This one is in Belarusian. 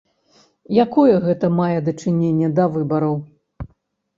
Якое гэта мае дачыненне да выбараў?